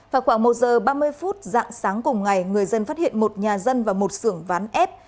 vào khoảng một giờ ba mươi phút dạng sáng cùng ngày người dân phát hiện một nhà dân và một xưởng ván ép